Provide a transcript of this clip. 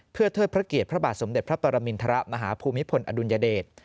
เพื่อเทิดพระเกียรติพระบาทสมเด็จพระปรมินทรมาฮภูมิพลอดุลยเดช